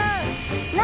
何？